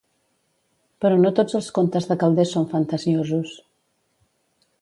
Però no tots els contes de Calders són fantasiosos.